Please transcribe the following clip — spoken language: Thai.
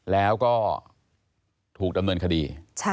แล้วก็ถูกดำเนินคดี